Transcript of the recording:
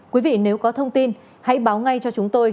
quý vị nếu có thông tin hãy báo ngay cho chúng tôi